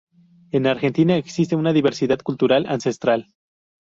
En Argentina existe una gran diversidad cultural ancestral.